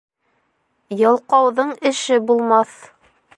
Ялҡауҙың эше булмаҫ.